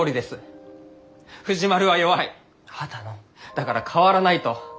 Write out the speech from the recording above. だから変わらないと。